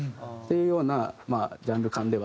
いうようなジャンル感ではあるので。